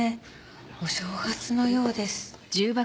お正月のようです。